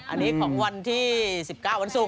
อันนี้ของวันที่๑๙วันสุกวันสุก